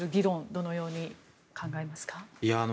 どのように考えますか。